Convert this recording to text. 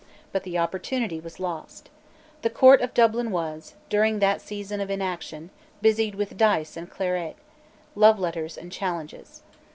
But the opportunity was lost. The Court of Dublin was, during that season of inaction, busied with dice and claret, love letters and challenges.